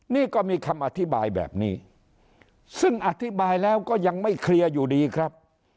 นี่ก็มีคำอธิบายแบบนี้ซึ่งอธิบายแล้วก็ยังไม่เคลียร์อยู่ดีครับ